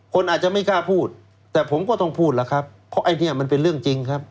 คนอาจจะไม่กล้าพูดแต่ผมก็ต้องพูดแล้วครับเพราะไอ้เนี่ยมันเป็นเรื่องจริงครับ